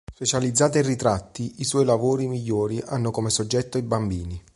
Specializzata in ritratti, i suoi lavori migliori hanno come soggetto i bambini.